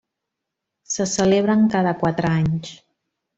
Se celebren cada quatre anys.